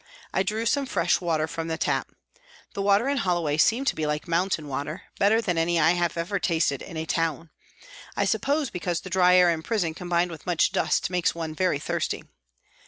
I drew some fresh water from the tap. The water in Hollo way seemed to be like mountain water, better than any I have ever tasted in a town I suppose because the dry air in prison combined with much dust makes one very thirsty.